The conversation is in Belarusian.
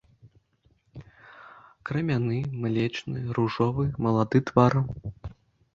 Крамяны, млечны, ружовы, малады твар.